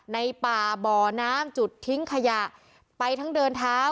ในป่าบ่อน้ำจุดทิ้งขยะไปทั้งเดินเท้า